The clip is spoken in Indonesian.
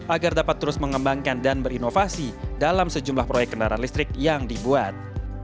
agar dapat terus mengembangkan dan berinovasi dalam sejumlah proyek kendaraan listrik yang dibuat